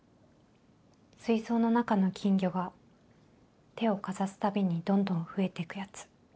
水槽の中の金魚が手をかざすたびにどんどん増えてくやつ。